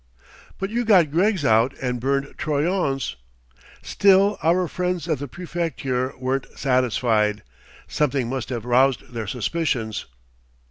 "But you got Greggs out and burned Troyon's !" "Still our friends at the Préfecture weren't satisfied. Something must have roused their suspicions."